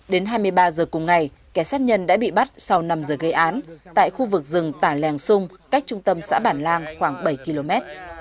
đến hai mươi ba h cùng ngày kẻ sát nhân đã bị bắt sau năm h gây án tại khu vực rừng tả lèng xung cách trung tâm xã bản lan khoảng bảy km